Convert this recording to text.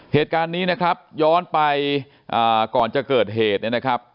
เหตุการณ์นี้นะครับย้อนไปก่อนจะเกิดเหตุเนี่ยนะครับ